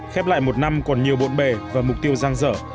khép lại một năm còn nhiều bộn bề và mục tiêu răng rở